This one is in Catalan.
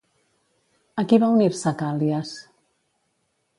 A qui va unir-se Càl·lies?